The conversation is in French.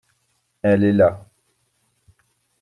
Elle est là.